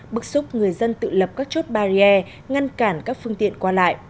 bức xúc người dân tự lập các chốt barrier ngăn cản các phương tiện qua lại